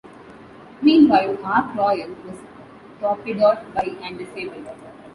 Meanwhile, "Ark Royal" was torpedoed by and disabled.